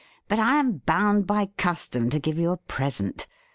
But I am bound by custom to give you a present.